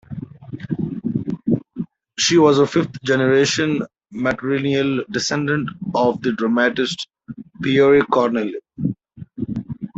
She was a fifth-generation matrilineal descendant of the dramatist Pierre Corneille.